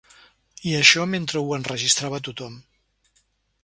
I això mentre ho enregistrava tothom.